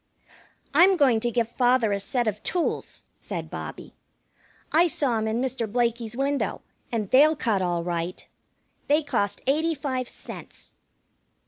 "I'm going to give father a set of tools," said Bobbie. "I saw 'em in Mr. Blakey's window, and they'll cut all right. They cost eighty five cents."